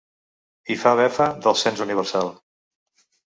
I fa befa del cens universal.